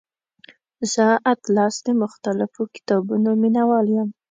زه اتلس د مختلفو کتابونو مینوال یم.